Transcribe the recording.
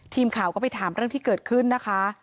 ทีมข่าวก็ไปถามเรื่องที่เกิดขึ้นนะคะ